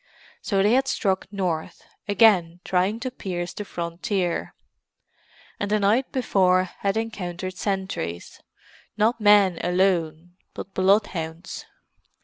So they had struck north, again trying to pierce the frontier; and the night before had encountered sentries—not men alone, but bloodhounds.